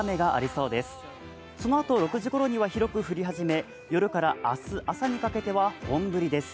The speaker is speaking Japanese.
そのあと６時頃には広く降り始め夜から明日朝にかけては本降りです。